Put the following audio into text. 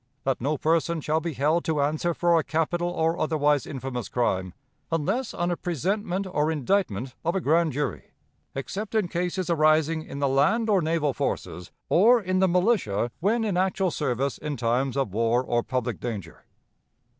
' "'That no person shall be held to answer for a capital or otherwise infamous crime, unless on a presentment or indictment of a grand jury, except in cases arising in the land or naval forces, or in the militia when in actual service in times of war or public danger.'